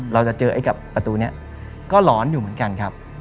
เราจะเจอไอ้กับประตูนี้ก็ร้อนอยู่เหมือนกันครับ